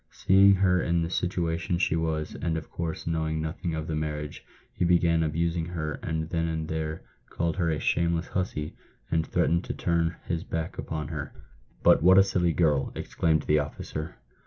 Seeing her in the situation she was, and of course knowing nothing of the marriage, he began abusing her, and then and there called her a shameless hussy, and threatened to turn his back upon her." " But what a silly girl!" exclaimed the officer.